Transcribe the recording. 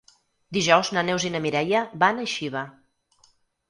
Dijous na Neus i na Mireia van a Xiva.